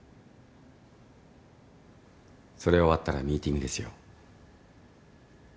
それ終わったらミーティングですよ。